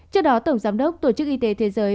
trước đó tổng giám đốc tổ chức y tế thế giới